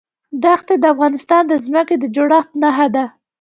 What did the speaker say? دښتې د افغانستان د ځمکې د جوړښت نښه ده.